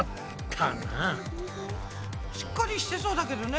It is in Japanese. しっかりしてそうだけどね。